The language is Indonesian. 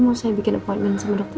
mau saya bikin apartemen sama dokter